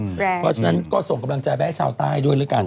เพราะฉะนั้นก็ส่งกำลังใจไปให้ชาวใต้ด้วยแล้วกัน